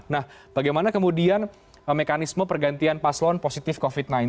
nah bagaimana kemudian mekanisme pergantian paslon positif covid sembilan belas